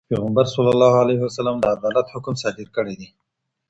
پیغمبر ص د عدالت حکم صادر کړی دی.